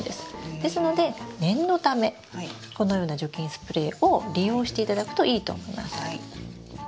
ですので念のためこのような除菌スプレーを利用していただくといいと思います。